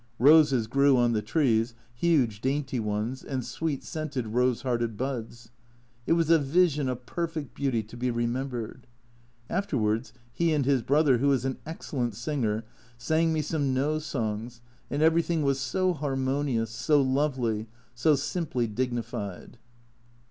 Roses grew on the trees, huge dainty ones, and sweet scented rose hearted buds. It was a vision of perfect beauty to be remembered. Afterwards he and his brother, who is an excellent singer, sang me some No songs, and everything was so harmonious, so lovely, so simply dignified.